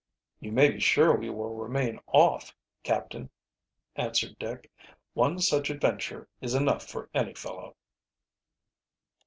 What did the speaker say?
"You may be sure we will remain off, captain," answered Dick. "One such adventure is enough for any fellow."